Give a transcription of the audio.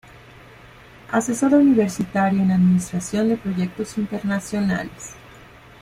Asesora universitaria en administración de proyectos internacionales.